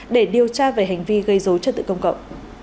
để điều tra về hành vi gây dối chất tự công cậu